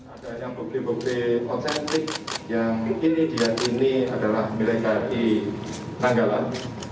ada yang bukti bukti otentik yang ini diakini adalah milikari nanggalan